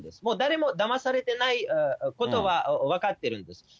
もう誰もだまされてないことは分かってるんです。